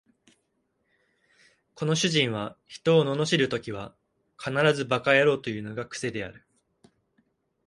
この主人は人を罵るときは必ず馬鹿野郎というのが癖である